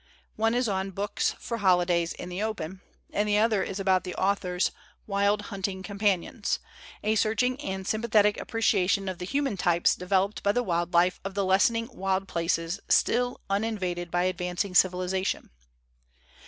One is on 'Books for Holidays in the Open' and the other is about the author's 'Wild Hunting Companions,' a searching and sympathetic ap 242 THEODORE ROOSEVELT AS A MAN OF LETTERS preciation of the human types developed by the wild life of the lessening wild places still unin vaded by advancing civilization.